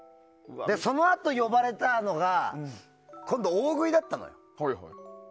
そのあと呼ばれたのが今度は大食いだったのよ。